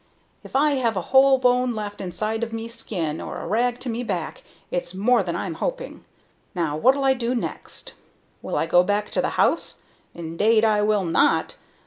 If I have a whole bone left inside of me skin, or a rag to me back, it's more than I'm hoping. Now what'll I do next? "Will I go back to the house? Indade I will not.